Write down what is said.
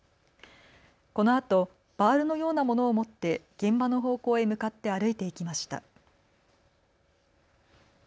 このあとバールのようなものを持って現場の方向へ向かって歩いていきました。